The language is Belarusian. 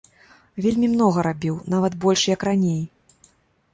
Вельмі многа рабіў, нават больш як раней.